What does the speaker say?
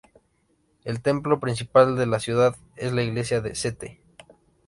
El templo principal de la ciudad es la iglesia de St.